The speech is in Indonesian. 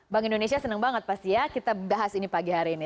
bank indonesia senang banget pasti ya kita bahas ini pagi hari ini